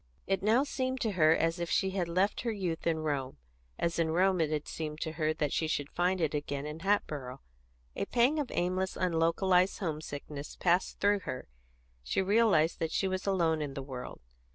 It now seemed to her as if she had left her youth in Rome, as in Rome it had seemed to her that she should find it again in Hatboro'. A pang of aimless, unlocalised homesickness passed through her; she realised that she was alone in the world.